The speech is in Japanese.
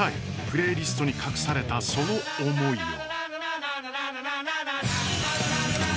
プレイリストに隠されたその思いを。